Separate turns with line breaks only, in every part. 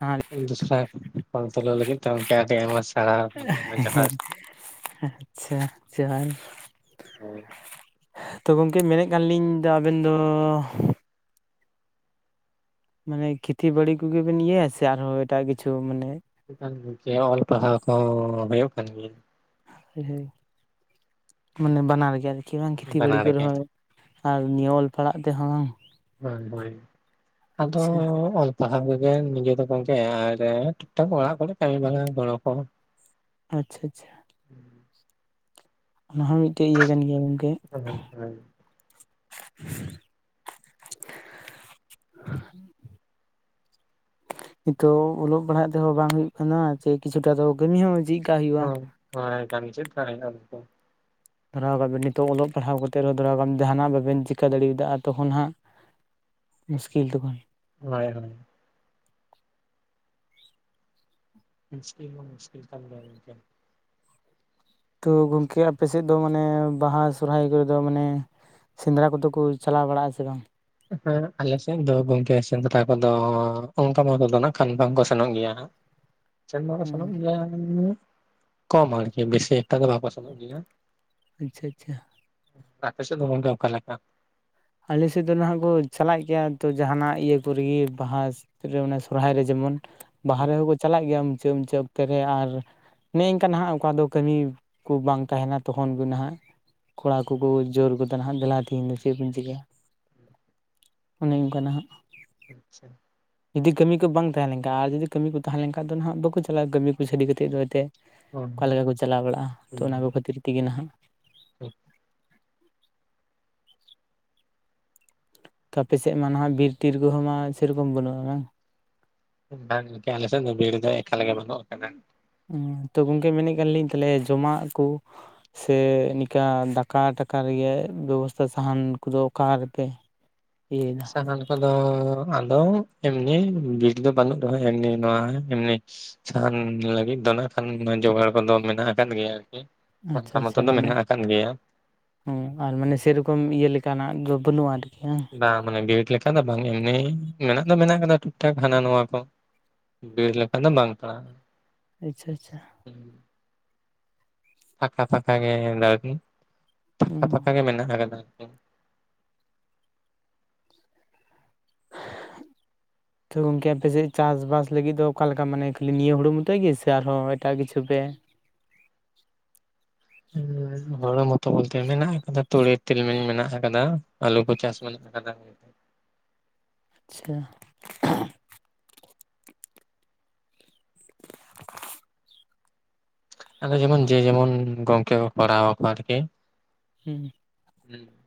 ᱦᱮᱸ
ᱫᱚᱥᱨᱟ ᱠᱚᱞ ᱛᱩᱞᱟᱹᱣ ᱞᱟᱜᱤᱫ ᱛᱮ ᱜᱚᱢᱠ ᱟᱰᱤ ᱟᱭᱢᱟ ᱥᱟᱨᱦᱟᱣ ᱟᱵᱤᱱ ᱟᱭᱢᱟ ᱡᱚᱦᱟᱨ
ᱟᱪᱪᱷᱟ ᱡᱚᱦᱟᱨ
ᱦᱳᱭ
ᱛᱚ ᱜᱚᱝᱠᱮ ᱢᱮᱱᱮᱫ ᱠᱟᱱᱟ ᱞᱤᱧ ᱟᱫᱚ ᱟᱵᱮᱱ ᱫᱚ ᱢᱟᱱᱮ ᱠᱷᱮᱛᱤ ᱵᱟᱹᱲᱤ ᱠᱚᱜᱮᱵᱮᱱ ᱤᱭᱟᱹᱭᱟ ᱥᱮ ᱟᱨᱦᱚ ᱮᱴᱟᱜ ᱠᱤᱪᱷᱩ ᱢᱟᱱᱮ
ᱡᱮ ᱚᱞ ᱯᱟᱲᱦᱟᱣ ᱠᱚ ᱦᱩᱭᱩᱜ ᱠᱟᱱ ᱜᱮᱭᱟ
ᱦᱳᱭ ᱦᱳᱭ ᱢᱟᱱᱮ ᱵᱟᱱᱟᱨ ᱜᱮ ᱟᱨᱠᱤ ᱵᱟᱝ ᱠᱷᱮᱛᱤ ᱵᱟᱲᱤ
ᱵᱟᱱᱟᱨ
ᱠᱚᱨᱮ
ᱜᱮ
ᱦᱚᱸ ᱟᱨ ᱱᱤᱭᱟᱹ ᱚᱞ ᱯᱟᱲᱦᱟᱜ ᱛᱮᱦᱚᱸ
ᱦᱳᱭ ᱦᱳᱭ
ᱟᱪᱪᱷᱟ
ᱟᱫᱚ ᱥᱟᱦᱟ ᱠᱚᱜᱮ ᱱᱤᱡᱮ ᱫᱚ ᱜᱚᱢᱠᱮ ᱟᱨ ᱴᱷᱤᱠ ᱴᱷᱟᱠ ᱚᱲᱟᱜ ᱠᱚᱨᱮ ᱠᱟᱹᱢᱤ ᱵᱟᱲᱟ ᱜᱚᱲᱚ ᱠᱚ
ᱟᱪᱪᱷᱟ ᱟᱪᱪᱷᱟ
[unintelligible]
ᱚᱱᱟ ᱦᱚ ᱢᱤᱫᱴᱮᱱ ᱤᱭᱟᱹ ᱠᱟᱱ ᱜᱮᱭᱟ ᱜᱚᱝᱠᱮ
ᱦᱚᱭ ᱦᱚᱭ ᱦᱚᱭ
ᱤᱱᱠᱟᱹ ᱚᱞᱚᱜ ᱯᱟᱲᱦᱟᱜ ᱛᱮᱦᱚ ᱵᱟᱝ ᱦᱩᱭᱩᱜ ᱠᱟᱱᱟ ᱥᱮ ᱠᱤᱪᱷᱩᱴᱟ ᱫᱚ ᱠᱟᱹᱢᱤ ᱦᱚ ᱪᱤᱫᱠᱟ ᱦᱩᱭᱩᱜ-ᱟ
ᱨᱚᱦᱚᱭ ᱠᱟᱢᱤ ᱪᱮᱫ ᱞᱮᱠᱟ ᱦᱩᱭᱩᱜ-ᱟ ᱚᱱᱛᱮ
ᱫᱷᱚᱨᱟᱣ ᱠᱟᱜ ᱵᱮᱱ ᱱᱤᱛᱚᱜ ᱚᱞᱚᱜ ᱯᱟᱲᱦᱟᱣ ᱠᱟᱛᱮᱫ ᱨᱮ ᱛᱷᱟᱲᱟ ᱜᱟᱱ ᱡᱟᱦᱟᱱᱟᱜ ᱵᱟᱵᱮᱱ ᱪᱤᱠᱟᱹ ᱫᱟᱲᱮᱭᱫᱟ ᱟᱨ ᱛᱚᱠᱷᱚᱱ ᱦᱟᱜ ᱢᱩᱥᱠᱤᱞ ᱫᱚ ᱵᱟᱝ
ᱦᱚᱭ ᱦᱚᱭ ᱢᱩᱥᱠᱤᱞ ᱦᱚ ᱢᱩᱥᱠᱤᱞ ᱠᱟᱱ ᱜᱮᱭᱟ
ᱛᱚ ᱜᱚᱝᱠᱮ ᱟᱯᱮ ᱥᱮᱫ ᱫᱚ ᱢᱟᱱᱮ ᱵᱟᱦᱟ ᱥᱚᱨᱦᱟᱭ ᱠᱚᱨᱮ ᱫᱚ ᱢᱟᱱᱮ ᱥᱮᱸᱫᱽᱨᱟ ᱠᱚᱫᱚ ᱠᱚ ᱪᱟᱞᱟᱣ ᱵᱟᱲᱟᱜᱼᱟ ᱥᱮ ᱵᱟᱝ
ᱟᱞᱮᱥᱮᱱ ᱫᱚ ᱜᱚᱝᱠᱮ ᱥᱮᱸᱫᱨᱟ ᱠᱚᱫᱚ... ᱚᱱᱠᱟ ᱢᱚᱛᱚ ᱫᱚ ᱱᱟᱜ ᱠᱷᱟᱱ ᱵᱟᱝᱠᱚ ᱥᱮᱱᱚᱜ ᱜᱮᱭᱟ [inaudible] ᱥᱮᱱ ᱵᱟᱠᱚ ᱥᱮᱱᱚᱜ
ᱦᱩᱸ
ᱜᱮᱭᱟ ᱠᱚᱢ ᱟᱨᱠᱤ ᱵᱮᱥᱤ ᱮᱠᱴᱟ ᱫᱚ ᱵᱟᱠᱚ ᱥᱮᱱᱚ ᱜᱮᱭᱟ
ᱟᱪᱪᱷᱟ ᱟᱪᱪᱷᱟ
ᱟᱯᱮ ᱥᱮᱫ ᱫᱚ ᱜᱚᱝᱠᱮ ᱚᱠᱟᱞᱮᱠᱟ
ᱟᱞᱮᱥᱮᱫ ᱫᱚ ᱱᱟᱦᱟᱜ ᱠᱚ ᱪᱟᱞᱟᱜ ᱜᱮᱭᱟ ᱛᱚ ᱡᱟᱦᱟᱱᱟᱜ ᱤᱭᱟᱹ ᱠᱚᱨᱮᱜᱮ ᱵᱟᱦᱟ ᱨᱮ ᱟᱱᱟ ᱥᱚᱨᱦᱟᱭ ᱨᱮ ᱡᱮᱢᱚᱱ ᱵᱟᱦᱟ ᱨᱮᱸᱦᱚ ᱠᱚ ᱪᱟᱞᱟᱜ ᱜᱮᱭᱟ ᱢᱩᱪᱟᱹᱫ ᱢᱩᱪᱟᱹᱫ ᱚᱠᱛᱮ ᱨᱮ ᱟᱨ ᱱᱮᱝᱠᱟ ᱱᱟᱦᱟᱜ ᱚᱠᱟ ᱫᱚ ᱠᱟᱹᱢᱤ ᱠᱩ ᱵᱟᱝ ᱛᱟᱦᱮᱱᱟ ᱛᱚᱠᱷᱚᱱ ᱜᱮ ᱱᱟᱦᱟᱜ ᱠᱚᱲᱟ ᱠᱚᱠᱚ ᱡᱳᱨ ᱜᱚᱫᱟ ᱱᱟᱦᱟᱜ ᱫᱮᱞᱟ ᱛᱮᱦᱮᱧ ᱫᱚ ᱪᱮᱫ ᱵᱤᱱ ᱴᱷᱤᱜ ᱜᱮᱭᱟ ᱚᱱᱮ ᱚᱱᱠᱟ ᱱᱟᱦᱟᱜ᱾
ᱟᱪᱪᱷᱟ
ᱡᱩᱫᱤ ᱠᱟᱹᱢᱤ ᱠᱚ ᱵᱟᱝ ᱛᱟᱦᱮ ᱞᱮᱱᱠᱷᱟᱱ ᱟᱨ ᱡᱩᱫᱤ ᱠᱟᱹᱢᱤ ᱠᱚ ᱛᱟᱦᱮ ᱞᱮᱱᱠᱷᱟᱱ ᱫᱚ ᱱᱟᱦᱟᱜ ᱵᱟᱠᱚ ᱪᱟᱞᱟᱜ-ᱟ ᱠᱟᱹᱢᱤ ᱠᱚ ᱥᱟᱰᱮ ᱠᱟᱛᱮᱫ ᱫᱚ ᱮᱱᱛᱮᱫ ᱚᱠᱟᱞᱮᱠᱟ ᱠᱚ ᱪᱟᱞᱟᱣ ᱵᱟᱲᱟᱜ-ᱟ ᱛᱚ ᱚᱱᱟ ᱠᱚ ᱠᱷᱟᱹᱛᱤᱨ ᱛᱮᱜᱮ ᱱᱟᱦᱟᱜ ᱛᱚ ᱟᱯᱮᱥᱮᱫ ᱢᱟ ᱱᱟᱦᱟᱜ ᱵᱤᱨ ᱛᱤᱨ ᱠᱚᱸᱦᱚ ᱢᱟ ᱥᱮᱨᱚᱠᱚᱢ ᱵᱟᱹᱱᱩᱜ-ᱟ
ᱵᱟᱝ ᱞᱮᱠᱟ ᱟᱞᱮᱥᱮᱫ ᱫᱚ ᱵᱤᱨ ᱫᱚ ᱮᱠᱟᱞᱜᱮ ᱵᱟᱹᱱᱩᱜ ᱠᱟᱫᱟ
ᱛᱚ ᱜᱚᱝᱠᱮ ᱢᱮᱱᱮᱫ ᱠᱟᱱ ᱞᱤᱧ ᱛᱟᱦᱚᱞᱮ ᱡᱚᱢᱟᱜ ᱠᱩ ᱥᱮ ᱱᱤᱠᱟ ᱫᱟᱠᱟᱼ ᱴᱟᱠᱟ ᱨᱮᱜᱮ ᱵᱮᱵᱚᱥᱛᱷᱟ ᱥᱟᱦᱟᱱ ᱠᱚᱫᱚ ᱚᱠᱟ ᱨᱮᱯᱮ ᱤᱭᱟᱹ
ᱥᱟᱦᱟᱱ ᱠᱚᱫᱚ ᱟᱫᱚ ᱮᱢᱱᱤ ᱵᱤᱨ ᱫᱚ ᱵᱟᱹᱱᱩᱜ ᱨᱮᱸᱦᱚ ᱮᱢᱱᱤ ᱱᱚᱣᱟ ᱮᱢᱱᱤ ᱥᱟᱦᱟᱱ ᱞᱟᱹᱜᱤᱫ ᱫᱚ ᱱᱟᱜ ᱠᱷᱟᱱ ᱡᱚᱜᱟᱲ ᱠᱚᱫᱚ ᱢᱮᱱᱟᱜ ᱟᱠᱟᱫ ᱜᱮᱭᱟ ᱟᱨᱠᱤ ᱚᱱᱠᱟ ᱢᱚᱛᱚ ᱫᱚ ᱢᱮᱱᱟᱜ ᱟᱠᱟᱫ ᱜᱮᱭᱟ
ᱚᱸ ᱟᱨ ᱢᱟᱱᱮ ᱥᱮᱨᱚᱠᱚᱢ ᱤᱭᱟᱹ ᱞᱮᱠᱟᱱᱟᱜ ᱫᱚ ᱵᱟᱹᱱᱩᱜᱼᱟ ᱟᱨᱠᱤ ᱦᱮᱸ
ᱵᱟᱝ ᱢᱟᱱᱮ ᱵᱤᱨ ᱞᱮᱠᱟ ᱫᱚ ᱵᱟᱝ ᱮᱢᱱᱤ ᱢᱮᱱᱟᱜ ᱫᱚ ᱢᱮᱱᱟᱜ ᱟᱠᱟᱫᱟ ᱴᱷᱤᱠ ᱴᱷᱟᱠ ᱦᱟᱱᱟ ᱱᱚᱣᱟ ᱠᱚ ᱵᱤᱨ ᱞᱮᱠᱷᱟ ᱫᱚ ᱵᱟᱝ ᱯᱟᱲᱟᱜᱼᱟ
ᱟᱪᱪᱷᱟ ᱟᱪᱪᱷᱟ
[inaudible] ᱯᱷᱟᱸᱠᱟ ᱯᱷᱟᱸᱠᱟ ᱜᱮ ᱢᱮᱱᱟᱜ ᱠᱤ ᱯᱷᱟᱸᱠᱟ
ᱦᱮᱸ
ᱯᱷᱟᱸᱠᱟ ᱜᱮ ᱢᱮᱱᱟᱜ ᱟᱠᱟᱫᱟ [inaudible]
ᱛᱳ ᱜᱚᱝᱠᱮ ᱟᱯᱮᱥᱮᱜ ᱪᱟᱥ ᱵᱟᱥ ᱞᱟᱹᱜᱤᱫ ᱫᱚ ᱚᱠᱟᱞᱮᱠᱟ ᱢᱟᱱᱮ ᱠᱷᱟᱹᱞᱤ ᱱᱤᱭᱟᱹ ᱦᱩᱲᱩ ᱢᱚᱛᱚᱭ ᱜᱮ ᱥᱮ ᱟᱨᱦᱚᱸ ᱮᱴᱟᱜ ᱠᱤᱪᱷᱩ ᱯᱮ
[unintelligible] ᱦᱩᱲᱩ ᱢᱚᱛᱚ ᱚᱱᱛᱮ ᱢᱮᱱᱟᱜ ᱟᱠᱟᱫᱟ ᱛᱩᱲᱤ ᱛᱤᱞᱢᱤᱧ ᱢᱮᱱᱟᱜ ᱟᱠᱟᱫᱟ ᱟᱞᱩ ᱠᱚ ᱪᱟᱥ ᱢᱮᱱᱟᱜ ᱟᱠᱟᱫᱟ [inaudible]
ᱟᱪᱪᱷᱟ
ᱦᱮᱸ ᱟᱫᱚ ᱡᱮᱢᱚᱱ ᱡᱮ ᱡᱮᱢᱚᱱ ᱜᱚᱝᱠᱮ ᱠᱚ ᱠᱚᱨᱟᱣ ᱟᱠᱚ ᱟᱨᱠᱤ
ᱦᱮᱸ
[unintelligible]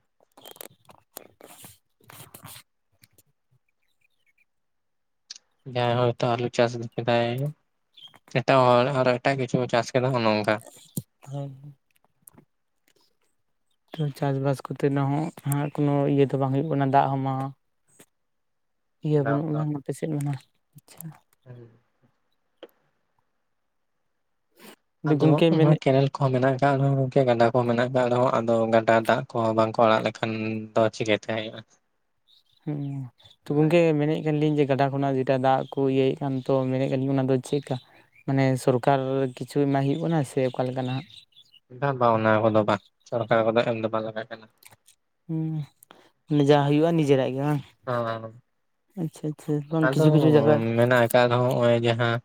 ᱡᱟᱦᱟᱸᱭ ᱦᱳᱭ ᱛᱚ ᱟᱞᱩ ᱪᱟᱥ ᱟᱠᱟᱫᱟᱭ ᱮᱴᱟᱜ ᱦᱚᱲ ᱟᱨᱚ ᱮᱴᱟᱜ ᱠᱤᱪᱷᱩ ᱠᱚ ᱪᱟᱥ ᱠᱮᱫᱟ ᱚᱱᱮ ᱚᱠᱟ
[unintelligible] [unintelligible] ᱪᱟᱥ ᱵᱟᱥ ᱠᱚᱛᱮ ᱫᱚ ᱦᱟᱸᱜ ᱠᱳᱱᱳ [unintelligible] ᱤᱭᱟᱹ ᱫᱚ ᱵᱟᱝ ᱦᱩᱭᱩᱜ ᱠᱟᱱᱟ ᱫᱟᱜ ᱦᱚᱸ ᱵᱟᱝᱼᱟ, ᱤᱭᱟᱹ ᱵᱟᱹᱱᱩᱜ ᱟᱱᱟᱝ ᱟᱯᱮᱥᱮᱫ ᱢᱟᱱᱷᱟᱜᱼᱟ ᱟᱪᱪᱷᱟ᱾
[inaudible] ᱟᱫᱚ
ᱜᱚᱝᱠᱮ ᱢᱮᱱᱮᱫ
ᱚᱱᱟ ᱠᱮᱱᱮᱞ ᱠᱚᱦᱚᱸ ᱢᱮᱱᱟᱜ ᱟᱠᱟᱜᱼᱟ [unintelligible] ᱜᱟᱰᱟ ᱢᱮᱱᱟᱜ ᱟᱠᱟᱜ ᱨᱮᱦᱚᱸ ᱟᱫᱚ ᱜᱟᱰᱟ ᱫᱟᱜ ᱠᱚ ᱵᱟᱝᱠᱚ ᱟᱲᱟᱜ ᱞᱮᱠᱷᱟᱱ ᱫᱚ ᱪᱤᱠᱟᱹ ᱛᱮ ᱦᱟᱸᱜ ᱦᱩᱭᱩᱜᱼᱟ
ᱦᱩᱸ ᱛᱚ ᱜᱚᱝᱠᱮ ᱢᱮᱱᱮᱫ ᱠᱟᱱᱟ ᱞᱤᱧ ᱡᱮ ᱜᱟᱰᱟ ᱠᱷᱚᱱᱟᱜ ᱜᱮ [unintelligible] ᱫᱟᱜ ᱠᱚ ᱤᱭᱟᱹᱭᱮ ᱠᱟᱱ ᱛᱚ ᱢᱮᱱᱮᱫ ᱠᱟᱱᱤᱧ ᱚᱱᱟᱫᱚ ᱪᱮᱠᱟ? ᱢᱟᱱᱮ ᱥᱚᱨᱠᱟᱨ ᱠᱤᱪᱷᱩ ᱮᱢᱟᱭ ᱦᱩᱭᱩᱜ ᱠᱟᱱᱟ ᱥᱮ ᱚᱠᱟ ᱞᱮᱠᱟ ᱱᱟᱜ
ᱵᱟᱝ ᱵᱟᱝ ᱚᱱᱟ ᱠᱚᱫᱚ ᱵᱟᱝ ᱥᱚᱨᱠᱟᱨ ᱠᱚᱫᱚ ᱮᱢ ᱫᱚ ᱵᱟᱝ ᱮᱢᱟᱭ ᱠᱟᱱᱟ
ᱡᱟ ᱦᱩᱭᱩᱜᱼᱟ ᱱᱤᱡᱮᱨᱟᱜ ᱜᱮ ᱵᱟᱝ
[unintelligible]
ᱟᱪᱪᱷᱟ ᱟᱪᱪᱷᱟ [unintelligible]
ᱟᱫᱚ
ᱡᱟᱭᱜᱟ
ᱢᱮᱱᱟᱜ ᱟᱠᱟᱜ ᱨᱮᱦᱚᱸ ᱱᱚᱜᱼᱚᱭ ᱡᱟᱦᱟᱸ,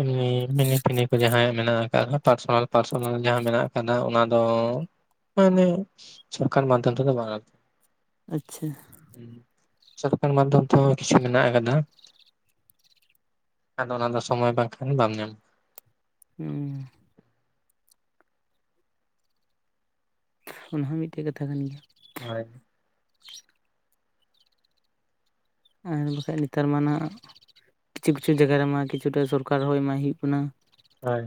ᱮᱢᱱᱤ ᱢᱤᱱᱤ ᱯᱷᱤᱱᱤ ᱠᱚ ᱡᱟᱦᱟᱸ ᱢᱮᱱᱟᱜ ᱟᱠᱟᱫᱟ ᱯᱟᱨᱥᱳᱱᱟᱞ ᱯᱟᱨᱥᱚᱱᱟᱞ ᱡᱟᱦᱟᱸᱟ ᱢᱮᱱᱟᱜ ᱟᱠᱟᱫᱟ ᱚᱱᱟ ᱫᱚ, [unintelligible] ᱢᱟᱱᱮ ᱥᱚᱨᱠᱟᱨ ᱢᱟᱫᱽᱫᱷᱚᱢ ᱛᱮ ᱫᱚ ᱵᱟᱝᱼᱟ᱾
ᱟᱪᱪᱷᱟ
ᱦᱩᱸ ᱥᱚᱨᱠᱟᱨ ᱢᱟᱫᱽᱫᱷᱚᱢ ᱛᱮᱦᱚᱸ ᱠᱤᱪᱷᱩ ᱢᱮᱱᱟᱜ ᱟᱠᱟᱫᱟ, [unintelligible] ᱟᱫᱚ ᱚᱱᱟ ᱫᱚ ᱥᱚᱢᱚᱭ ᱵᱟᱝᱠᱷᱟᱱ ᱵᱟᱢ ᱧᱟᱢᱟ᱾
ᱩᱸ ᱚᱱᱟ ᱦᱚᱸ ᱢᱤᱫᱴᱮᱜ ᱠᱟᱛᱷᱟ ᱠᱟᱱ ᱜᱮᱭᱟ᱾
ᱦᱳᱭ
ᱟᱨ ᱵᱟᱠᱷᱟᱡ ᱱᱮᱛᱟᱨ ᱢᱟ ᱱᱟᱜ ᱠᱤᱪᱷᱩ ᱠᱤᱪᱷᱩ ᱡᱟᱜᱟ ᱨᱮᱢᱟ ᱠᱤᱪᱷᱩᱴᱟ ᱥᱚᱨᱠᱟᱨ ᱦᱚᱸ ᱮᱢᱟᱭ ᱦᱩᱭᱩᱜ ᱠᱟᱱᱟ᱾
ᱦᱳᱭ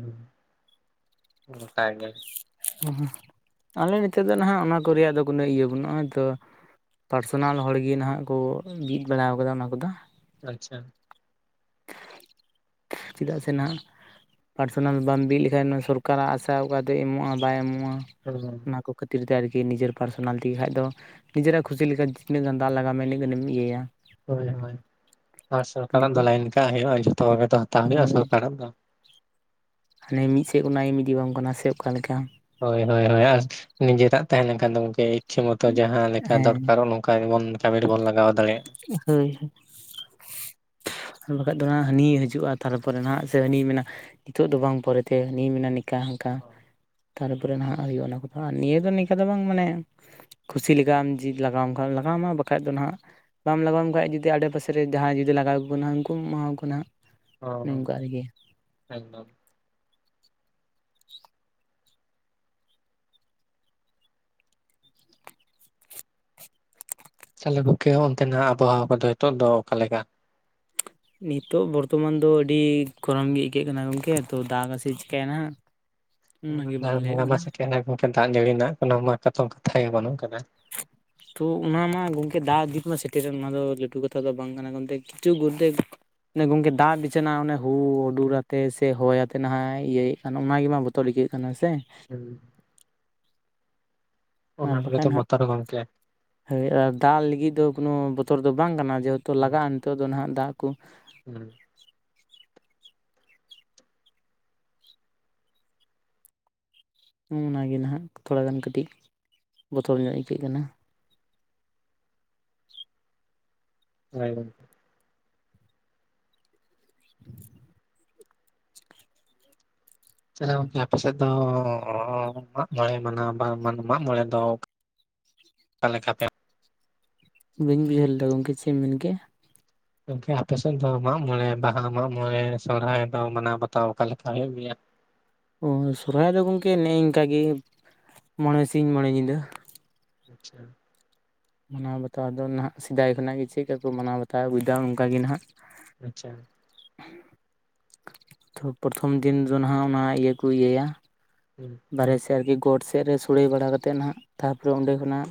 ᱜᱚᱴᱟ ᱜᱮ᱾
ᱚᱦᱚᱸ ᱟᱞᱮ ᱱᱤᱛᱳ ᱫᱚ ᱱᱟᱦᱟᱜ ᱚᱱᱟ ᱠᱚ ᱨᱮᱭᱟᱜ ᱫᱚ ᱠᱳᱱᱚ ᱤᱭᱟᱹ ᱵᱟᱹᱱᱩᱜᱼᱟ, ᱱᱚᱜᱼᱚᱭ ᱛᱚ ᱯᱟᱨᱥᱚᱱᱟᱞ ᱦᱚᱲ ᱜᱮ ᱱᱟᱦᱟᱜ ᱠᱚ ᱵᱤᱫ ᱵᱟᱲᱟᱣ ᱟᱠᱟᱫᱟ ᱚᱱᱟ ᱠᱚᱫᱚ᱾
ᱟᱪᱪᱷᱟ
ᱪᱮᱫᱟᱜ ᱥᱮ ᱱᱟᱦᱟᱜ ᱯᱟᱨᱥᱚᱱᱟᱞ ᱵᱟᱢ ᱵᱤᱫ ᱞᱮᱠᱷᱟᱱ ᱥᱚᱨᱠᱟᱨᱟᱜ ᱟᱥᱟ ᱚᱠᱟ ᱫᱚ ᱮᱢᱚᱜᱼᱟ ᱵᱟᱭ ᱮᱢᱚᱜᱼᱟ
ᱦᱩᱸ
ᱚᱱᱟ ᱠᱚ ᱠᱷᱟᱹᱛᱤᱨ ᱛᱮ ᱟᱨᱠᱤ ᱱᱤᱡᱮᱨ ᱯᱟᱨᱥᱚᱱᱟᱞ ᱛᱤᱜ ᱠᱷᱟᱱ ᱫᱚ, ᱱᱤᱡᱮᱨᱟᱜ ᱠᱷᱩᱥᱤ ᱞᱮᱠᱟ ᱛᱤᱱᱟᱹᱜ ᱜᱟᱱ ᱫᱟᱞ ᱞᱟᱜᱟ ᱢᱮ ᱤᱱᱟᱹᱜ ᱜᱟᱱᱮᱢ ᱤᱭᱟᱹᱭᱟ᱾
ᱦᱳᱭ ᱦᱳᱭ ᱟᱨ ᱥᱚᱨᱠᱟᱨᱟᱜ
ᱫᱤᱠᱩ
ᱫᱚ ᱞᱟᱭᱤᱱ ᱠᱟᱜ ᱦᱩᱭᱩᱜᱼᱟ, ᱡᱷᱚᱛᱚ ᱜᱮ ᱛᱚ ᱦᱟ
ᱦᱳᱭ ᱦᱟᱱᱮ ᱢᱤᱜᱥᱮᱫ ᱠᱷᱚᱱᱟᱜᱮᱢ ᱤᱫᱤ ᱣᱟᱢ ᱠᱟᱱᱟ ᱥᱮ ᱚᱠᱟᱞᱮᱠᱟ?
ᱦᱳᱭ ᱦᱳᱭ ᱦᱳᱭ ᱟᱨ ᱡᱮᱴᱟᱜ ᱛᱟᱦᱮᱸ ᱞᱮᱱᱠᱷᱟᱱ ᱫᱚ ᱜᱚᱝᱠᱮ ᱤᱪᱪᱷᱟᱹ ᱢᱚᱛᱚ ᱡᱟᱦᱟᱸ ᱞᱮᱠᱟ
ᱦᱮᱸ
ᱫᱚᱨᱠᱟᱨ ᱟᱢᱟ ᱚᱱᱠᱟ ᱜᱮ ᱵᱚᱱ ᱠᱟᱹᱢᱤ ᱨᱮ ᱵᱚᱱ ᱞᱟᱜᱟᱣᱟ᱾
ᱦᱳᱭ ᱟᱨ ᱵᱟᱠᱷᱟᱱ ᱫᱚ ᱦᱟᱜ ᱦᱟᱱᱤᱭ ᱦᱤᱡᱩᱜᱼᱟ ᱛᱟᱨᱯᱚᱨᱮ ᱱᱟᱦᱟᱜ ᱥᱮ ᱦᱟᱹᱱᱤᱭ ᱢᱮᱱᱟ ᱱᱤᱛᱚᱜ ᱫᱚ ᱵᱟᱝ ᱯᱚᱨᱮᱛᱮ ᱦᱟᱹᱱᱤᱭ ᱢᱮᱱᱟ ᱚᱱᱠᱟ ᱦᱟᱱᱠᱟ ᱛᱟᱨᱯᱚᱨᱮ ᱱᱟᱦᱟᱜ ᱦᱩᱭᱩᱜᱼᱟ ᱚᱱᱟ ᱠᱚᱫᱚ ᱱᱤᱭᱟᱹ ᱫᱚ ᱱᱤᱝᱠᱟ ᱫᱚ ᱵᱟᱝ ᱢᱟᱱᱮ ᱠᱷᱩᱥᱤ ᱞᱮᱠᱟᱢ ᱡᱤᱵ ᱞᱟᱜᱟᱣᱟᱢ ᱠᱷᱟᱱ ᱞᱟᱜᱟᱣᱟᱢᱟ ᱵᱟᱠᱷᱟᱡ ᱫᱚ ᱦᱟᱸᱜ ᱵᱟᱢ ᱞᱟᱜᱟᱣᱟᱢ ᱠᱷᱟᱡ ᱡᱩᱫᱤ ᱟᱲᱮ ᱯᱟᱥᱮᱨᱮ ᱡᱟᱦᱟᱸᱭ ᱡᱩᱫᱤ ᱞᱟᱜᱟᱣ ᱟᱠᱚ ᱠᱟᱱᱟ ᱩᱱᱠᱩᱢ ᱮᱢᱟᱣᱟ ᱠᱚ ᱱᱟᱦᱟᱜ
ᱚ ᱦᱚ ᱮᱠᱫᱚᱢ ᱛᱟᱦᱞᱮ ᱜᱚᱝᱠᱮ ᱚᱱᱛᱮᱱᱟᱜ ᱟᱵᱚᱦᱟᱣᱟ ᱠᱚᱫᱚ ᱱᱤᱛᱚᱜ ᱫᱚ ᱚᱠᱟᱞᱮᱠᱟ?
ᱱᱤᱛᱚᱜ ᱵᱚᱨᱛᱚᱢᱟᱱ ᱫᱚ ᱟᱹᱰᱤ ᱜᱚᱨᱚᱢ ᱜᱮ ᱟᱹᱭᱠᱟᱹᱜ ᱠᱟᱱᱟ ᱜᱚᱢᱠᱮ ᱛᱚ ᱫᱟᱜᱟᱥᱮ ᱪᱤᱠᱟᱭᱟᱭ ᱱᱟᱦᱟᱜ ᱚᱱᱟᱜᱮ ᱵᱟᱝ
[unintelligible]
ᱞᱟᱹᱭᱟᱹᱜ
ᱵᱚᱸᱜᱟ ᱢᱟ
ᱠᱟᱱᱟ
ᱥᱮᱴᱮᱨ ᱮᱱᱟ ᱜᱚᱢᱠᱮ ᱫᱟᱜ ᱡᱟᱹᱲᱤ ᱨᱮᱱᱟᱜ ᱠᱟᱱᱟ ᱢᱟᱛᱚᱢ ᱠᱟᱛᱷᱟ ᱜᱮ ᱵᱟᱹᱱᱩᱜ ᱠᱟᱫᱟ
ᱛᱚ ᱚᱱᱟ ᱢᱟ ᱜᱚᱝᱠᱮ ᱫᱟᱜ ᱫᱤᱠ ᱢᱟ ᱥᱮᱴᱮᱨᱨᱮᱱ ᱚᱱᱟ ᱫᱚ ᱞᱟᱹᱴᱩ ᱠᱟᱛᱷᱟ ᱫᱚ ᱵᱟᱝ ᱠᱟᱱᱟ [unintelligible] ᱠᱤᱪᱷᱩ ᱜᱚᱫᱽᱫᱷᱮᱠ ᱚᱱᱮ ᱜᱚᱝᱠᱮ ᱫᱟᱜ ᱵᱤᱪᱷᱱᱟ ᱚᱱᱮ ᱦᱩᱼᱦᱩᱰᱩᱨ ᱟᱛᱮ ᱥᱮ ᱦᱚᱭ ᱟᱛᱮ ᱱᱟᱦᱟᱜ ᱤᱭᱟᱹᱭᱮᱫ ᱠᱟᱱ ᱚᱱᱟᱜᱮ ᱢᱟ ᱵᱚᱛᱚᱨ ᱛᱚᱲ ᱟᱭᱠᱟᱹᱜ ᱠᱟᱱᱟ ᱥᱮ
ᱩᱸ,
ᱟᱨ
ᱚᱱᱟ ᱠᱚᱜᱮ ᱛᱚ
ᱵᱟᱠᱷᱟᱱ ᱦᱟᱸᱜ
ᱵᱚᱛᱚᱨ ᱜᱚᱝᱠᱮ
ᱫᱟᱜ ᱞᱟᱹᱜᱤᱫ ᱫᱚ ᱠᱟᱱᱚ ᱵᱚᱛᱚᱨ ᱫᱚ ᱵᱟᱝ ᱠᱟᱱᱟ ᱡᱮ ᱛᱚ
ᱦᱩᱸ
ᱞᱟᱜᱟᱜ-ᱟ ᱱᱤᱛᱚᱜ ᱫᱚ ᱱᱟᱦᱟᱜ ᱫᱟᱜ ᱠᱚ
ᱦᱩᱸ,
ᱚᱱᱟ ᱜᱮ ᱱᱟᱦᱟᱜ ᱛᱷᱚᱲᱟ ᱜᱟᱱ ᱠᱟᱹᱴᱤᱡ ᱵᱚᱛᱚᱨ ᱧᱚᱜ ᱟᱹᱭᱠᱟᱹᱜ ᱠᱟᱱᱟ
ᱦᱚᱭ [inaudible]
[inaudible]
ᱛᱟᱦᱞᱮ ᱜᱚᱝᱠᱮ ᱟᱯᱮᱥᱮᱫ ᱫᱚᱻ ᱢᱟᱜᱢᱚᱬᱮ ᱢᱟᱱᱟᱣ ᱵᱟᱝ ᱢᱟᱜ ᱢᱚᱬᱮ ᱫᱚ ᱚᱠᱟ ᱞᱮᱠᱟ ᱯᱮ
ᱵᱟᱹᱧ ᱵᱩᱡᱷᱟᱹᱣ ᱞᱮᱫᱟ ᱜᱚᱢᱠᱮ ᱪᱮᱫ ᱮᱢ ᱢᱮᱱᱠᱮᱜ-ᱟ?
ᱜᱚᱢᱠᱮ ᱟᱯᱮ ᱥᱮᱫ ᱫᱚ ᱢᱟᱜ ᱢᱚᱬᱮ, ᱵᱟᱦᱟ ᱢᱟᱜ ᱢᱚᱬᱮ ᱥᱚᱦᱨᱟᱭ ᱫᱚ ᱢᱟᱱᱟᱣ ᱵᱟᱛᱟᱣ ᱚᱠᱟ ᱞᱮᱠᱟ ᱦᱩᱭᱩᱜ ᱜᱮᱭᱟ?
ᱚ ᱥᱚᱦᱨᱟᱭ ᱫᱚ ᱜᱚᱝᱠᱮ ᱱᱮᱜᱼᱱᱤᱝᱠᱟ ᱜᱮ ᱢᱚᱬᱮ ᱥᱤᱧ ᱢᱚᱬᱮ ᱧᱤᱫᱟᱹ
ᱟᱪᱪᱷᱟ
ᱢᱟᱱᱟᱣ ᱵᱟᱛᱟᱣ ᱫᱚ ᱱᱟᱦᱟᱜ ᱥᱮᱫᱟᱭ ᱠᱷᱚᱱᱟᱜ ᱜᱮ ᱪᱮᱫ ᱞᱮᱠᱟ ᱠᱚ ᱢᱟᱱᱟᱣ ᱵᱟᱛᱟᱣ ᱵᱩᱡᱷᱟ ᱚᱱᱠᱟ ᱜᱮ ᱱᱟᱦᱟᱜ
ᱟᱪᱪᱷᱟ
ᱛᱚ ᱯᱨᱚᱛᱷᱚᱢ ᱫᱤᱱ ᱫᱚ ᱱᱟᱜ ᱚᱱᱟ ᱤᱭᱟᱹ ᱠᱚ ᱤᱭᱟᱹᱭᱟ
ᱦᱩᱸ
ᱵᱟᱨᱦᱮ ᱥᱮᱫ ᱜᱚᱴ ᱥᱮᱮᱫ ᱨᱮ ᱥᱳᱲᱮ ᱵᱟᱲᱟ ᱠᱟᱛᱮᱫ ᱜᱮ ᱱᱟᱜ ᱛᱟᱨᱯᱚᱨᱮ ᱚᱸᱰᱮ ᱠᱷᱚᱱᱟᱜ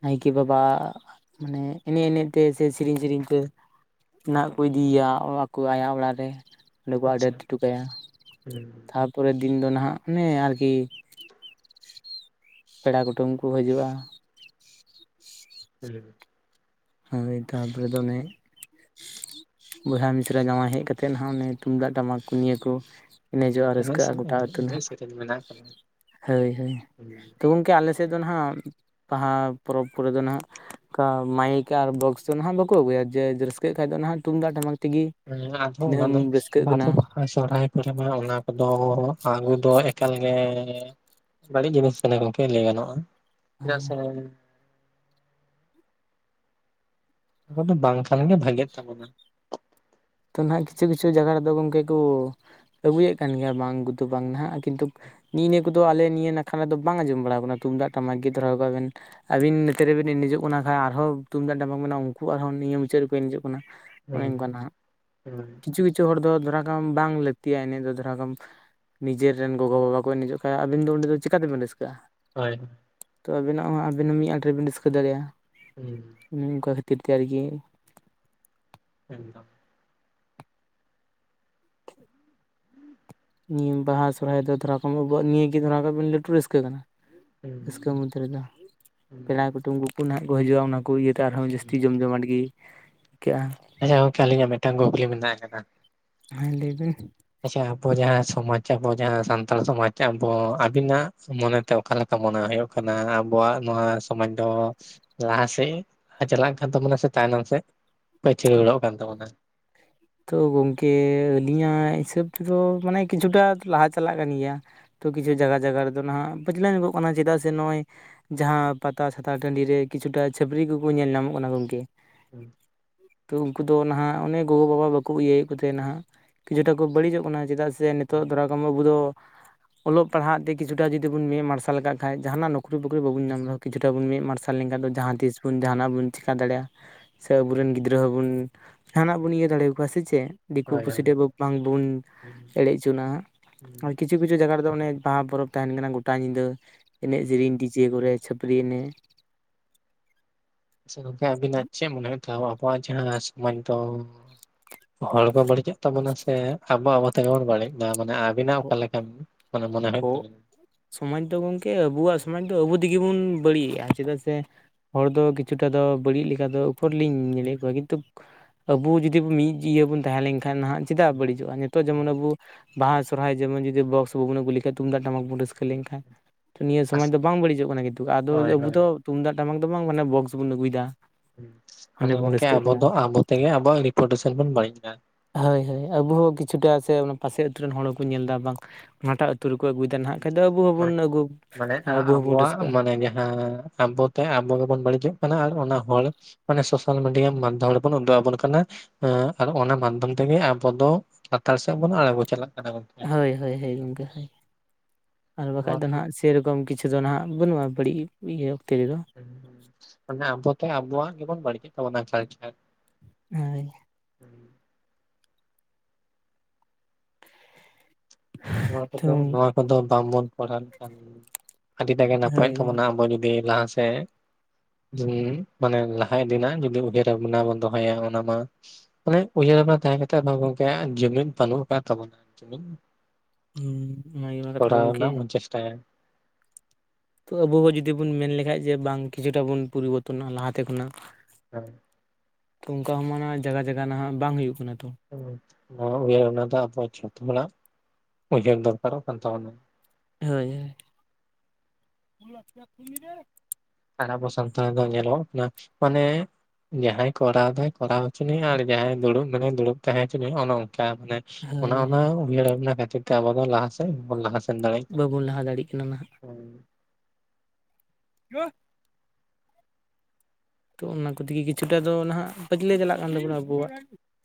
ᱱᱟᱭᱠᱮ ᱵᱟᱵᱟ ᱢᱟᱱᱮ ᱮᱱᱮᱡ ᱮᱱᱮᱡ ᱛᱮ ᱥᱮ ᱥᱮᱨᱮᱧ ᱥᱮᱨᱮᱧ ᱛᱮ ᱨᱮᱱᱟᱜ ᱠᱚ ᱤᱫᱤᱭᱮᱭᱟ ᱟᱠᱚ ᱟᱭᱟᱜ ᱚᱲᱟᱜ ᱨᱮ ᱚᱸᱰᱮ ᱠᱚ ᱟᱫᱮᱨ
ᱟᱪᱪᱷᱟ
ᱦᱚᱴᱚ ᱠᱟᱭᱟ
ᱦᱩᱸ
ᱛᱟᱨᱯᱚᱨᱮ ᱫᱤᱱ ᱫᱚ ᱱᱟᱦᱟᱜ ᱚᱱᱮ ᱟᱨᱠᱤ ᱯᱮᱲᱟ ᱠᱩᱴᱩᱢ ᱠᱚ ᱦᱤᱡᱩᱜ-ᱟ
ᱦᱮᱸ [unintelligible]
ᱦᱳᱭ ᱛᱟᱨᱯᱚᱨᱮ ᱫᱚ ᱚᱱᱮ ᱵᱚᱭᱦᱟ ᱢᱤᱥᱨᱟ ᱡᱟᱶᱟᱭ ᱦᱮᱡ ᱠᱟᱛᱮᱫ ᱱᱟᱦᱟᱜ ᱚᱱᱮ ᱛᱩᱢᱫᱟᱜ ᱴᱟᱢᱟᱠ ᱠᱚ ᱱᱤᱭᱟᱹ ᱠᱚ ᱮᱱᱮᱡᱚᱜᱼᱟ
ᱮᱱᱮᱡ
ᱨᱟᱹᱥᱠᱟᱹᱜᱼᱟ ᱜᱚᱴᱟ
ᱥᱮᱨᱮᱧ
ᱟᱹᱛᱩ
ᱮᱱᱮᱡ
ᱱᱟᱦᱟᱜ
ᱥᱮᱨᱮᱧ ᱢᱮᱱᱟᱜ ᱟᱠᱟᱫᱟ
ᱦᱳᱭ ᱦᱳᱭ
ᱦᱩᱸ
ᱛᱚ ᱜᱚᱝᱠᱮ ᱟᱞᱮᱥᱮᱫ ᱫᱚ ᱱᱟᱦᱟᱜ ᱵᱟᱦᱟ ᱯᱚᱨᱚᱵᱽ ᱠᱚᱨᱮ ᱫᱚ ᱱᱟᱦᱟᱜ ᱠᱟ ᱢᱟᱭᱤᱠ ᱟᱨ ᱵᱚᱠᱥ ᱫᱚ ᱱᱟᱦᱟᱜ ᱵᱟᱠᱚ ᱟᱹᱜᱩᱭᱟ ᱡᱮ ᱨᱟᱹᱥᱠᱟᱹᱜ ᱠᱷᱟᱱ ᱫᱚ ᱱᱟᱦᱟᱜ ᱛᱩᱢᱫᱟᱜ ᱴᱟᱢᱟᱠ ᱛᱮᱜᱮ
ᱦᱮᱸ ᱟᱫᱚ
ᱛᱤᱱᱟᱹᱜ
ᱚᱱᱟ
ᱮᱢ
ᱫᱚ
ᱨᱟᱹᱥᱠᱟᱹᱜ ᱠᱟᱱᱟ
ᱵᱷᱟᱯᱚᱜᱼᱟ ᱥᱚᱦᱨᱟᱭ ᱠᱚᱨᱮ ᱢᱟ ᱚᱱᱟ ᱠᱚᱫᱚ ᱟᱹᱜᱩ ᱫᱚ ᱮᱠᱟᱞ ᱜᱮᱻ ᱵᱟᱹᱲᱤᱡ ᱡᱤᱱᱤᱥ ᱠᱟᱱᱟ ᱜᱚᱝᱠᱮ ᱞᱟᱹᱭ ᱜᱟᱱᱚᱜ-ᱟ ᱪᱮᱫᱟᱜ ᱥᱮ ᱟᱫᱚ ᱵᱟᱝ ᱛᱟᱦᱮᱱ ᱜᱮ ᱵᱷᱟᱜᱮᱜ ᱛᱟᱵᱚᱱᱟ
ᱛᱚ ᱱᱟᱦᱟᱜ ᱠᱤᱪᱷᱩ ᱠᱤᱪᱷᱩ ᱡᱟᱭᱜᱟ ᱨᱮᱫᱚ ᱜᱚᱢᱠᱮ ᱠᱚ ᱟᱹᱜᱩᱭᱮᱫ ᱠᱟᱱ ᱜᱮᱭᱟ ᱵᱟᱝ ᱠᱩᱫᱩ ᱵᱟᱝ ᱱᱟᱦᱟᱜ ᱠᱤᱱᱛᱩ ᱱᱤᱜᱼᱱᱤᱭᱟᱹ ᱠᱚᱫᱚ ᱟᱞᱮ ᱱᱤᱭᱟᱹ ᱱᱟᱠᱷᱟ ᱨᱮᱫᱚ ᱵᱟᱝ ᱟᱸᱡᱚᱢ ᱵᱟᱲᱟᱣ ᱟᱠᱟᱱᱟ ᱛᱩᱢᱫᱟᱜ ᱴᱟᱢᱟᱠ ᱜᱮ ᱫᱷᱚᱨᱟᱣ ᱟᱠᱚᱣᱟ ᱵᱮᱱ ᱟᱹᱵᱤᱱ ᱱᱤᱝᱠᱟᱹ ᱛᱮᱵᱤᱱ ᱮᱱᱮᱡᱚᱜ ᱠᱟᱱᱟ ᱠᱷᱟᱡ ᱟᱨ ᱦᱚᱸ ᱛᱩᱢᱫᱟᱜ ᱴᱟᱢᱟᱠ ᱢᱮᱱᱟᱜᱼᱟ ᱩᱱᱠᱩ ᱟᱨᱦᱚᱸ ᱱᱤᱭᱟᱹ ᱢᱩᱪᱟᱹᱫ ᱨᱮᱠᱚ ᱮᱱᱮᱡᱚᱜ ᱠᱟᱱᱟ ᱚᱱᱮ
ᱦᱩᱸ
ᱚᱱᱠᱟᱱᱟᱜ
ᱦᱩᱸ
ᱠᱤᱪᱷᱩ ᱠᱤᱪᱷᱩ ᱦᱚᱲ ᱫᱚ ᱫᱷᱚᱨᱟ ᱠᱚᱢ ᱵᱟᱝ ᱞᱟᱹᱠᱛᱤᱭᱟ ᱮᱱᱮ ᱫᱚ ᱫᱷᱚᱨᱟ ᱠᱚᱢ ᱱᱤᱡᱮᱨᱮ ᱨᱮᱱ ᱜᱚᱜᱚᱼᱵᱟᱵᱟ ᱠᱚᱱᱮᱡᱚᱜ ᱠᱷᱟᱡ ᱟᱵᱤᱱ ᱫᱚ ᱚᱸᱰᱮ ᱫᱚ ᱪᱤᱠᱟᱹ ᱛᱮᱵᱮᱱ ᱨᱟᱹᱥᱠᱟᱹᱜᱼᱟ᱾
ᱦᱳᱭ
ᱛᱚ ᱟᱵᱮᱱᱟᱜ ᱦᱚᱸ ᱟᱵᱮᱱ ᱦᱚᱸ ᱢᱤᱫ ᱟᱴᱮ ᱨᱮᱵᱮᱱ ᱨᱟᱹᱥᱠᱟᱹ ᱫᱟᱲᱮᱭᱟᱜᱼᱟ᱾
ᱦᱩᱸ
ᱩᱸ ᱚᱱᱮ ᱚᱱᱠᱟ ᱠᱷᱟᱹᱛᱤᱨ ᱛᱮ ᱟᱨᱠᱤ᱾
ᱮᱠ ᱫᱚᱢ
[inaudible] ᱱᱤᱭᱟᱹ ᱵᱟᱦᱟ ᱥᱚᱨᱦᱟᱭ ᱫᱚ ᱫᱷᱚᱨᱟ ᱠᱚᱢ ᱟᱵᱚᱣᱟᱜ ᱱᱤᱭᱟᱹᱟᱹᱜᱮ ᱫᱷᱟᱨᱟ ᱵᱤᱱ ᱞᱟᱹᱴᱩ ᱨᱟᱹᱥᱠᱟᱹ ᱠᱟᱱᱟ᱾
ᱦᱩᱸ
ᱨᱟᱹᱥᱠᱟᱹ ᱢᱩᱫᱷᱮ ᱨᱮᱫᱚ ᱯᱮᱲᱟ
ᱦᱩᱸ
ᱠᱩᱴᱩᱢ ᱠᱚᱠᱩ ᱱᱟᱦᱟᱜ ᱠᱚ ᱦᱤᱡᱩᱜᱼᱟ ᱚᱱᱟ ᱠᱚ ᱤᱭᱟᱹ ᱟᱨᱦᱚᱸ ᱡᱟᱹᱥᱛᱤ ᱡᱚᱢ ᱡᱚᱢᱟᱴ ᱜᱮ ᱟᱹᱭᱠᱟᱹᱜᱼᱟ᱾
ᱦᱮᱞᱳ ᱜᱚᱝᱠᱮ ᱟᱞᱤᱧᱟᱜ ᱢᱤᱫᱴᱟᱝ ᱠᱩᱠᱞᱤ ᱢᱮᱱᱟᱜ ᱟᱠᱟᱫᱟ᱾
ᱦᱮᱸ ᱞᱟᱹᱭᱵᱤᱱ
ᱟᱪᱷᱟ ᱟᱵᱚ ᱡᱟᱦᱟᱸ ᱥᱚᱢᱟᱡᱽ ᱟᱵᱚ ᱡᱟᱦᱟᱸ ᱥᱟᱱᱛᱟᱲ ᱥᱚᱢᱟᱡᱽ ᱟᱵᱚ ᱟᱵᱤᱱᱟᱜ ᱢᱚᱱᱮᱛᱮ ᱚᱠᱟᱞᱮᱠᱟ ᱢᱚᱱᱮ ᱦᱩᱭᱩᱜ ᱠᱟᱱᱟ ᱟᱵᱚᱣᱟᱜ ᱱᱚᱣᱟ ᱥᱚᱢᱟᱡᱽ ᱫᱚ ᱞᱟᱦᱟᱥᱮ ᱪᱟᱞᱟᱜ ᱠᱟᱱ ᱛᱟᱵᱚᱱᱟ ᱥᱮ ᱛᱟᱭᱱᱚᱢ ᱥᱮᱫ ᱯᱟᱹᱪᱨᱣᱟᱹᱲᱚᱜ ᱠᱟᱱ ᱛᱟᱵᱚᱱᱟ?
ᱛᱳ ᱜᱚᱢᱠᱮ ᱟᱹᱞᱤᱧᱟᱜ ᱦᱤᱥᱟᱹᱵ ᱛᱮᱫᱚ ᱢᱟᱱᱮ ᱠᱤᱪᱷᱩᱴᱟ ᱞᱟᱦᱟ ᱪᱟᱞᱟᱜ ᱠᱟᱱ ᱜᱮᱭᱟ᱾ ᱛᱚ ᱠᱤᱪᱷᱩ ᱡᱟᱜᱟ ᱡᱟᱜᱟ ᱨᱮᱫᱚ ᱱᱟᱦᱟᱜ ᱯᱟᱹᱪᱞᱟᱹᱣ ᱧᱚᱜᱚᱜ ᱠᱟᱱᱟ, ᱪᱮᱫᱟᱜ ᱥᱮ ᱱᱚᱜᱼᱚᱭ ᱡᱟᱦᱟᱸ ᱯᱟᱛᱟ ᱪᱷᱟᱛᱟ ᱴᱟᱹᱰᱤ ᱨᱮ ᱠᱤᱪᱷᱩᱴᱟ ᱪᱷᱟᱹᱯᱨᱤ ᱠᱚᱠᱚ ᱧᱮᱞ ᱧᱟᱢᱚᱜ ᱠᱟᱱᱟ ᱜᱚᱢᱠᱮ,
[inaudible]
ᱛᱚ ᱩᱱᱠᱩ ᱫᱚ ᱱᱟᱦᱟᱜ ᱚᱱᱮ ᱜᱚᱜᱚ ᱵᱟᱵᱟ ᱵᱟᱠᱚ ᱤᱭᱟᱹᱭᱮᱫ ᱠᱚᱛᱮ ᱱᱟᱦᱟᱜ ᱠᱤᱪᱷᱩᱴᱟ ᱠᱚ ᱵᱟᱹᱲᱤᱡᱚᱜ ᱠᱟᱱᱟ ᱪᱮᱫᱟᱜ ᱥᱮ ᱱᱤᱛᱚᱜ
ᱦᱳᱭ
ᱫᱷᱚᱨᱟ ᱠᱚᱢ ᱟᱵᱚ ᱫᱚ
[inaudible]
ᱚᱞᱚᱜ ᱯᱟᱲᱦᱟᱜ ᱛᱮ ᱠᱤᱪᱷᱩᱴᱟ ᱡᱩᱫᱤ ᱵᱩᱱ ᱢᱮᱫ ᱢᱟᱨᱥᱟᱞ ᱠᱟᱜ ᱠᱷᱟᱡ ᱡᱟᱦᱟᱱᱟᱜ ᱱᱚᱠᱨᱤᱵᱩᱠᱨᱤ ᱵᱟᱵᱚᱱ ᱧᱟᱢ ᱨᱮᱦᱚᱸ ᱠᱤᱪᱷᱩᱴᱟ ᱵᱩᱱ ᱢᱮᱫ ᱢᱟᱨᱥᱟᱞ ᱡᱟᱦᱟᱸ ᱛᱤᱥ ᱵᱚᱱ ᱡᱟᱦᱟᱱᱟᱜ ᱵᱚᱱ ᱪᱮᱠᱟ ᱫᱟᱲᱮᱭᱟᱜᱼᱟ᱾ ᱥᱮ ᱟᱵᱚᱨᱮᱱ ᱜᱤᱫᱽᱨᱟᱹ ᱦᱚᱸᱵᱚᱱ ᱡᱟᱦᱟᱱᱟᱜ ᱵᱚᱱ ᱤᱭᱟᱹ ᱫᱟᱲᱮᱭᱟ ᱵᱟᱥᱮ ᱪᱮᱫ ᱫᱤᱠᱩ
ᱦᱳᱭ
ᱯᱩᱥᱤ ᱴᱷᱮᱡ ᱵᱟᱝᱵᱚᱱ ᱮᱲᱮ ᱚᱪᱚᱱᱟ ᱟᱨ ᱠᱤᱪᱷᱩ ᱠᱤᱪᱷᱩ ᱠᱤᱪᱷᱩ ᱡᱟᱜᱟ ᱨᱮᱫᱚ ᱵᱟᱦᱟ ᱯᱚᱨᱚᱵᱽ ᱛᱟᱦᱮᱱ ᱠᱟᱱᱟ ᱜᱚᱴᱟ ᱧᱤᱫᱟᱹ ᱮᱱᱮᱡ ᱥᱮᱨᱮᱧ ᱰᱤᱡᱮ ᱠᱚᱨᱮ ᱪᱷᱟᱹᱯᱨᱤ ᱮᱱᱮᱡ᱾
ᱟᱪᱷᱟ ᱜᱚᱝᱠᱮ ᱟᱹᱵᱤᱱᱟᱜ ᱪᱮᱫ ᱢᱚᱱᱮ ᱦᱩᱭᱩᱛᱮ ᱟᱵᱚᱣᱟᱜ ᱡᱟᱦᱟᱸ ᱥᱚᱢᱟᱡ ᱫᱚ ᱦᱚᱲ ᱠᱚ ᱵᱟᱹᱲᱤᱡᱮᱜ ᱛᱟᱵᱚᱱᱟ ᱥᱮ ᱟᱵᱚ ᱟᱵᱚ ᱛᱮᱜᱮ ᱵᱚᱱ ᱵᱟᱹᱲᱤᱡ ᱫᱟ, ᱢᱟᱱᱮ ᱵᱮᱱᱟᱣ ᱚᱠᱟᱱ ᱞᱮᱠᱟ ᱢᱚᱱᱮ ᱢᱚᱱᱮ ᱦᱩᱭᱩᱜ ᱠᱟᱱᱟ
ᱥᱚᱢᱟᱡᱽ ᱫᱚ ᱜᱚᱢᱠᱮ ᱟᱵᱚᱣᱟᱜ ᱥᱚᱢᱟᱡᱽ ᱫᱚ ᱟᱵᱚ ᱛᱮᱜᱮ ᱵᱚᱱ ᱵᱟᱹᱲᱤᱡᱮᱜᱼᱟ ᱪᱮᱫᱟᱜ ᱥᱮ ᱦᱚᱲ ᱫᱚ ᱠᱤᱪᱷᱩᱴᱟ ᱫᱚ ᱵᱟᱹᱲᱤᱡ ᱞᱮᱠᱟ ᱫᱚ ᱚᱠᱚᱨᱞᱤᱧ ᱧᱮᱞᱮᱫ ᱠᱚᱣᱟ ᱠᱤᱱᱛᱩ ᱟᱵᱚ ᱡᱩᱫᱤ ᱢᱤᱫ ᱤᱭᱟᱹ ᱵᱚᱱ ᱛᱟᱦᱮᱸᱞᱮᱱᱠᱷᱟᱱ ᱱᱟᱦᱟᱜ ᱪᱮᱫᱟᱜ ᱵᱟᱹᱲᱤᱡᱚᱜᱼᱟ ᱱᱤᱛᱳᱜ ᱡᱮᱢᱚᱱ ᱟᱵᱚ ᱵᱟᱦᱟ ᱥᱚᱨᱦᱟᱭ ᱡᱮᱢᱚᱱ ᱡᱩᱫᱤ ᱵᱚᱥ ᱵᱟᱵᱚᱱ ᱟᱹᱜᱩ ᱞᱮᱠᱷᱟᱡ ᱛᱩᱢᱫᱟᱜ ᱴᱟᱢᱟᱠ ᱵᱚᱱ ᱨᱟᱹᱥᱠᱟᱹ ᱞᱮᱱᱠᱷᱟᱱ ᱛᱚ ᱱᱤᱭᱟᱹ
ᱟᱥ
ᱥᱚᱢᱟᱡᱽ ᱫᱚ ᱵᱟᱝ ᱵᱟᱹᱲᱤᱡᱚᱜ ᱠᱟᱱᱟ ᱠᱤᱱᱛᱩ ᱟᱫᱚ
ᱦᱳᱭ
ᱟᱵᱚ
ᱦᱳᱭ
ᱫᱚ ᱛᱩᱢᱫᱟᱜ ᱴᱟᱢᱟᱠ ᱫᱚ ᱵᱟᱝ ᱢᱟᱱᱮ ᱵᱚᱥᱠ ᱵᱚᱱ ᱟᱹᱜᱩᱭᱮᱫᱟ ᱚᱱᱮ
ᱟᱫ
ᱵᱚᱱ
ᱜᱚᱝᱠᱮ
ᱨᱟᱹᱥᱠᱟᱹᱜ
ᱟᱵᱚ
ᱠᱟᱱᱟ
ᱫᱚ ᱟᱵᱚ ᱛᱮᱜᱮ ᱟᱵᱚᱟᱜ ᱨᱤᱯᱳᱴᱮᱥᱚᱱ ᱵᱚᱱ ᱵᱟᱹᱲᱤᱡᱫᱟ
ᱦᱳᱭ ᱦᱳᱭ ᱟᱵᱚ ᱦᱚᱸ ᱠᱤᱪᱷᱩᱴᱟ ᱥᱮ ᱚᱱᱟ ᱯᱟᱥᱮ ᱟᱹᱛᱩᱨ ᱨᱮᱱ ᱦᱚᱲ ᱦᱚᱸᱠᱚ ᱧᱮᱞ ᱮᱫᱟ ᱵᱟᱝ ᱚᱱᱟᱴᱟᱜ ᱛᱩᱨ ᱨᱮᱠᱚ ᱟᱹᱜᱩᱭᱮᱫᱟ ᱱᱟᱦᱟᱜ ᱠᱷᱟᱡ ᱫᱚ ᱟᱵᱚ
ᱢᱟᱱᱮ
ᱦᱚᱸᱵᱚᱱ ᱟᱹᱜᱩ
ᱢᱟᱱᱮ ᱟ-
ᱟᱵᱚ ᱦᱚᱸᱵᱚᱱ
ᱟᱵᱚᱣᱟᱜ
ᱨᱟᱹᱥᱠᱟᱹᱜᱼᱟ
ᱢᱟᱱᱮ ᱡᱟᱦᱟᱸ ᱟᱵᱚ ᱟᱵᱚ ᱜᱮᱵᱚᱱ ᱵᱟᱹᱲᱤᱡᱚᱜ ᱠᱟᱱᱟ ᱟᱨ ᱚᱱᱟ ᱦᱚᱲ ᱢᱟᱱᱮ ᱥᱳᱥᱟᱞ ᱢᱤᱰᱤᱭᱟ ᱢᱟᱫᱽᱫᱷᱚᱢ ᱨᱮᱵᱚᱱ ᱩᱫᱩᱜ ᱟᱵᱚᱱ ᱠᱟᱱᱟ ᱟᱸ ᱟᱨ ᱚᱱᱟ ᱢᱟᱫᱽᱫᱷᱚᱢ ᱛᱮᱜᱮ ᱟᱵᱚ ᱫᱚ ᱞᱟᱛᱟᱲ ᱥᱮᱫ ᱵᱚᱱ ᱟᱬᱜᱚ ᱪᱟᱞᱟᱜ ᱠᱟᱱᱟ ᱜᱚᱝᱠᱮ
ᱦᱳᱭ ᱦᱳᱭ ᱦᱳᱭ ᱜᱚᱢᱠᱮ ᱦᱮᱸ ᱟᱨ ᱵᱟᱠᱷᱟᱡ
ᱱᱚᱣᱟ
ᱫᱚ
ᱠᱚ
ᱱᱟᱦᱟᱜ ᱥᱮᱨᱚᱠᱚᱢ ᱠᱤᱪᱷᱩ ᱫᱚ ᱱᱟᱦᱟᱜ ᱵᱟᱹᱱᱩᱜᱼᱟ ᱵᱟᱹᱲᱤᱡ ᱤᱭᱟᱹ ᱚᱠᱛᱮ ᱨᱮᱫᱚ
ᱢᱟᱱᱮ ᱟᱵᱚᱛᱮ ᱟᱵᱚᱣᱟᱜ ᱜᱮᱵᱚᱱ ᱵᱟᱲᱤᱡᱮ ᱛᱟᱵᱚᱱᱟ ᱪᱷᱟᱭ ᱫᱷᱟᱭ
ᱦᱳᱭ
ᱦᱮᱸ ᱱᱚᱣᱟ
ᱛᱚ
ᱠᱚᱫᱚ ᱱᱚᱣᱟ ᱠᱚᱫᱚ ᱵᱟᱝᱵᱚᱱ ᱯᱟᱲᱦᱟᱱ ᱞᱮᱠᱷᱟᱱ ᱟᱹᱰᱤ ᱫᱟᱜᱮ
ᱦᱳᱭ
ᱱᱟᱯᱟᱭᱚᱜ ᱛᱟᱵᱚᱱᱟ ᱟᱵᱚ ᱡᱩᱫᱤ ᱞᱟᱦᱟᱥᱮᱜ ᱦᱩᱸ ᱢᱟᱱᱮ ᱞᱟᱦᱟ ᱤᱫᱤᱱᱟᱜ ᱡᱩᱫᱤ ᱩᱭᱦᱟᱹᱨ ᱟᱵᱚᱱᱟ ᱵᱚᱱ ᱫᱚᱦᱚᱭᱟ ᱚᱱᱟ ᱢᱟ ᱢᱟᱱᱮ ᱩᱭᱦᱟᱹᱨ ᱛᱟᱦᱮᱸ ᱠᱟᱛᱮ ᱜᱚᱝᱠᱮ ᱡᱩᱢᱤᱫᱽ ᱵᱟᱹᱱᱩᱜ ᱟᱠᱟᱫ ᱛᱟᱵᱚᱱᱟ ᱡᱩᱢᱤ
ᱦᱩᱸ
ᱠᱚᱨᱟᱣ ᱨᱮᱱᱟᱜ ᱵᱩᱱ ᱪᱮᱥᱴᱟᱭᱟ
ᱛᱚ ᱟᱵᱚ ᱵᱚ ᱦᱚᱸ ᱡᱩᱫᱤ ᱵᱚᱱ ᱢᱮᱱ ᱞᱮᱠᱷᱟᱡ ᱡᱮ ᱵᱟᱝ ᱠᱤᱪᱷᱩᱴᱟ ᱵᱚᱱ ᱯᱚᱨᱤᱵᱚᱨᱛᱚᱱᱚᱜᱼᱟ ᱞᱟᱦᱟᱛᱮ ᱠᱷᱚᱱᱟᱜ
ᱦᱮᱸ
ᱛᱚ ᱚᱱᱠᱟ ᱦᱚᱸ ᱢᱟ ᱡᱟᱜᱟ ᱡᱟᱭᱟᱱᱟ ᱦᱟᱜ ᱵᱟᱝ ᱦᱩᱭᱩᱜ ᱠᱟᱱᱟ ᱛᱚ
ᱩᱦᱟᱹᱨ ᱚᱱᱟ ᱫᱚ ᱟᱵᱳᱣᱟᱜ ᱡᱚᱪᱚ ᱦᱚᱲᱟᱜ ᱩᱭᱦᱟᱹᱨ ᱫᱚ ᱨᱚᱠᱟᱨᱚᱜ ᱠᱟᱱ ᱛᱟᱵᱚᱱᱟ᱾
ᱦᱳᱭ ᱦᱳᱭ
ᱟᱨ ᱟᱵᱚ ᱥᱟᱱᱛᱟᱲ ᱫᱚ ᱧᱮᱞᱚᱜ ᱢᱟᱱᱮ ᱡᱟᱦᱟᱸᱟᱭ ᱠᱚᱨᱟᱣ ᱫᱟᱭ ᱠᱚᱨᱟᱣ ᱦᱚᱪᱚᱱᱤᱡ ᱟᱨ ᱡᱟᱦᱟᱸᱭ ᱫᱩᱲᱩᱵ ᱢᱟᱱᱟᱭ ᱫᱩᱲᱩᱵ ᱛᱟᱸᱦᱮ ᱦᱚᱪᱚ ᱚᱱᱮ ᱚᱱᱠᱟ ᱢᱟᱱᱮ ᱚᱱᱟ
ᱦᱳᱭ
ᱚᱱᱟ
ᱦᱳᱭ
ᱩᱭᱦᱟᱹᱨ ᱟᱵᱱᱟ ᱠᱷᱟᱹᱛᱤᱨ ᱛᱮ ᱟᱵᱚ ᱫᱚ ᱞᱟᱦᱟ ᱥᱮᱱ ᱵᱚᱱ ᱞᱟᱦᱟ ᱥᱮᱱ ᱫᱟᱲᱮᱜ ᱠᱟᱱᱟ᱾ [unintelligible]
ᱵᱟᱵᱚᱱ ᱞᱟᱦᱟ ᱫᱟᱲᱮᱜ ᱠᱟᱱᱟ ᱱᱟᱦᱟᱜ [inaudible] ᱛᱚ ᱚᱱᱟ [unintelligible] ᱠᱤᱪᱷᱩᱴᱟ ᱫᱚ ᱱᱟᱦᱟᱜ ᱯᱟᱹᱪᱞᱮ ᱪᱟᱞᱟᱜ ᱠᱟᱱ ᱛᱟᱵᱚᱱᱟ ᱟᱵᱚᱣᱟᱜ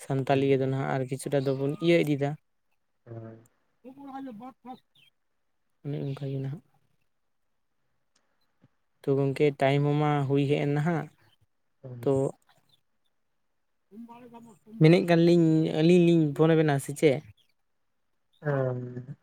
ᱥᱟᱱᱛᱟᱞᱤ
ᱦᱩᱸ
ᱤᱭᱟᱹ ᱫᱚ ᱦᱟᱸᱜ ᱟᱨ ᱠᱤᱪᱷᱩᱴᱟ ᱫᱚᱵᱚᱱ ᱤᱭᱟᱹ ᱤᱫᱤᱭᱟ
ᱦᱮᱸ
[unintelligible] ᱚᱱᱮ ᱚᱱᱠᱟᱜᱮ ᱱᱟᱦᱟᱜ ᱛᱚ ᱜᱚᱢᱠᱮ ᱴᱟᱭᱤᱢ ᱦᱚᱸ ᱢᱟ ᱦᱩᱭ ᱦᱮᱡ ᱮᱱ ᱱᱟᱦᱟᱜ ᱛᱚ ᱢᱮᱱᱮᱫ ᱠᱟᱱ ᱞᱤᱧ ᱟᱹᱞᱤᱧ ᱞᱤᱧ ᱯᱷᱳᱱ ᱟᱵᱮᱱᱟ ᱥᱮ ᱪᱮᱫ?
ᱦᱮᱸ